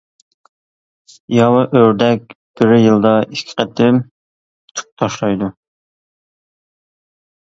ياۋا ئۆردەك بىر يىلدا ئىككى قېتىم تۈك تاشلايدۇ.